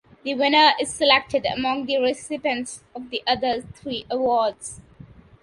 The winner is selected among the recipients of the other three awards.